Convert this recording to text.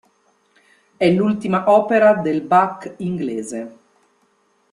È l'ultima opera del "Bach inglese".